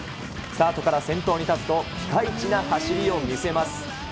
スタートから先頭に立つと、ピカイチな走りを見せます。